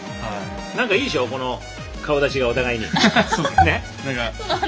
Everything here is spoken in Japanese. なんかいいでしょ顔だちが、お互いに。